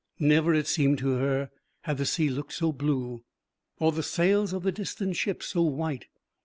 Never, it seemed to her, had the sea looked so blue or the sails of the distant ships so white.